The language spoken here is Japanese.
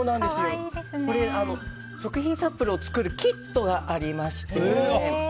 食品サンプルを作るキットがありまして。